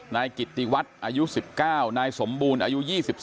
นายกิติวัฒน์อายุ๑๙นายสมบูรณ์อายุ๒๓